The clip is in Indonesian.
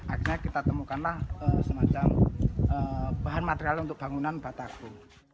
akhirnya kita temukanlah semacam bahan material untuk bangunan batako